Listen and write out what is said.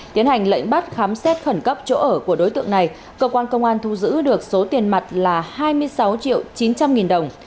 tiến hành lệnh bắt khám xét khẩn cấp chỗ ở của đối tượng này cơ quan công an thu giữ được số tiền mặt là hai mươi sáu triệu chín trăm linh nghìn đồng